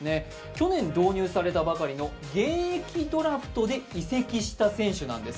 去年導入されたばかりの現役ドラフト制度で移籍した選手なんです。